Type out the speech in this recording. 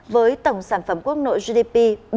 với tổng sản phẩm quốc nội gdp